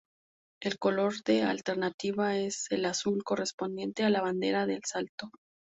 El color de alternativa es el azul, correspondiente a la bandera de Salto.